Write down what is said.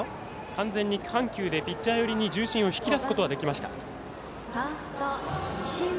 完全に緩急でピッチャー寄りに重心を引き出すことはできました。